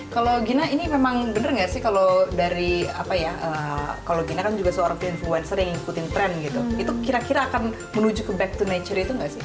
kalau gina ini memang bener gak sih kalau dari apa ya kalau gina kan juga seorang influencer yang ikutin trend gitu itu kira kira akan menuju ke back to nature itu nggak sih